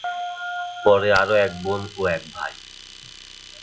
পরে আরও এক বোন ও এক ভাই।